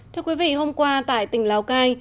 thưa quý vị hôm qua tại tỉnh lào cai